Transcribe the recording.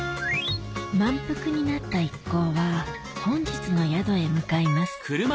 満腹になった一行は本日の宿へ向かいます